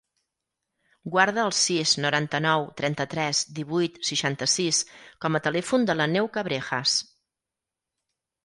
Guarda el sis, noranta-nou, trenta-tres, divuit, seixanta-sis com a telèfon de l'Aneu Cabrejas.